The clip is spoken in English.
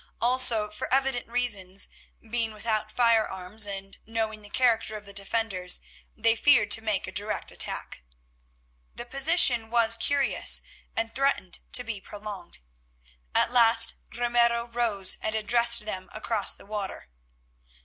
Also, for evident reasons, being without firearms and knowing the character of the defenders, they feared to make a direct attack. The position was curious and threatened to be prolonged. At last Ramiro rose and addressed them across the water.